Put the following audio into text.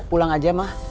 pulang aja ma